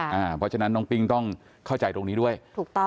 เพราะฉะนั้นน้องปิ้งต้องเข้าใจตรงนี้ด้วยถูกต้อง